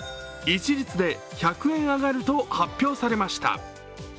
一律で１００円上がると発表されました。